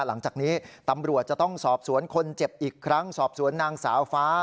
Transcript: หลังจากนี้ตำรวจจะต้องสอบสวนคนเจ็บอีกครั้งสอบสวนนางสาวฟ้า